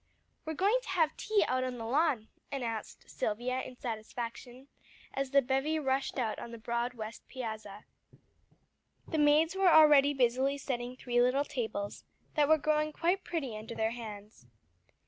"We're going to have tea out on the lawn," announced Silvia in satisfaction, as the bevy rushed out on the broad west piazza. The maids were already busily setting three little tables, that were growing quite pretty under their hands.